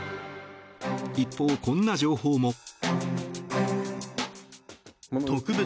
一方、こんな情報も。